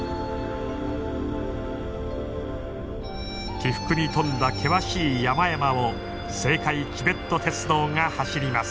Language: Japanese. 起伏に富んだ険しい山々を青海チベット鉄道が走ります。